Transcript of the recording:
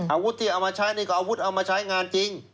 อาวุธที่เอามาใช้นี่ก็อาวุธเอามาใช้งานจริง